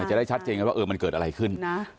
จะได้ชัดเจนกันว่ามันเกิดอะไรขึ้น